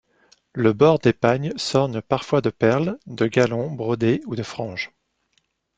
Le bord des pagnes s'orne parfois de perles, de galons brodés ou de franges.